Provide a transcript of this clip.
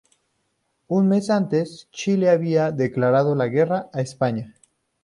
Un mes antes, Chile había declarado la guerra a España.